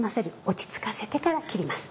落ち着かせてから切ります。